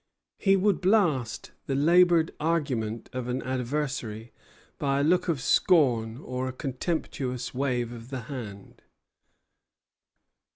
He would blast the labored argument of an adversary by a look of scorn or a contemptuous wave of the hand.